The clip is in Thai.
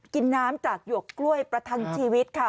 กินน้ำจากหยวกกล้วยประทังชีวิตค่ะ